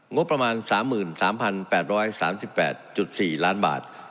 งบประมาณ๓๓๘๓๘๔ล้านบาท